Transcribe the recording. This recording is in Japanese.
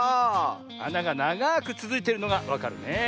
あながながくつづいてるのがわかるねえ。